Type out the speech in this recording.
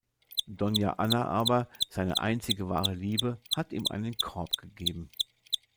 Doña Anna aber, seine einzige wahre Liebe, hat ihm einen Korb gegeben.